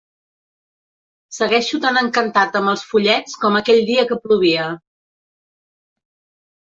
Segueixo tan encantat amb els follets com aquell dia que plovia.